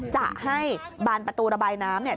จะให้บานประตูระบายน้ำเนี่ย